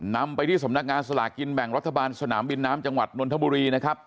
นำไปที่สำนักงานสลากินแบ่งรัฐบาลสนามบินน้ำจังหวัดนนทบุรีนะครับ